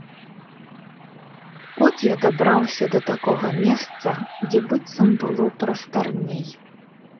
От я дабраўся да такога месца, дзе быццам было прастарней.